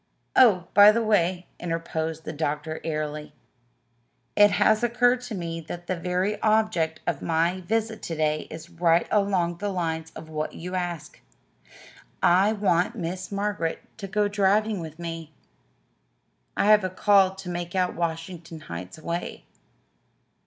"Oh, by the way," interposed the doctor airily, "it has occurred to me that the very object of my visit to day is right along the lines of what you ask. I want Miss Margaret to go driving with me. I have a call to make out Washington Heights way."